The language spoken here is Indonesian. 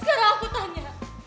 sekarang aku tanya